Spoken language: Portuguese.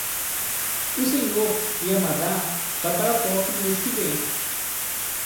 O Sr. Yamada vai para Tóquio no mês que vem.